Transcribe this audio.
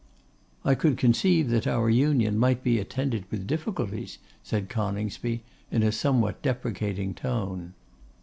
'I could conceive that our union might be attended with difficulties,' said Coningsby, in a somewhat deprecating tone.